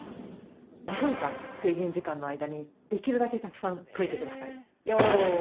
２分間制限時間の間にできるだけたくさん解いて下さい。